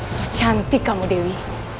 so cantik kamu dewi